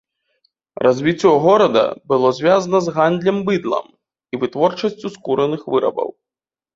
Развіццё горада было звязана з гандлем быдлам і вытворчасцю скураных вырабаў.